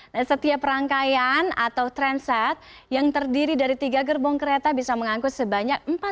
di mana anda bisa melihat